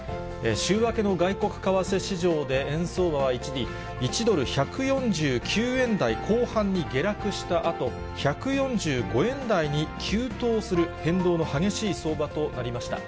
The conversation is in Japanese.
週明けの外国為替市場で円相場は一時、１ドル１４９円台後半に下落したあと、１４５円台に急騰する変動の激しい相場となりました。